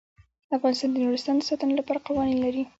افغانستان د نورستان د ساتنې لپاره قوانین لري.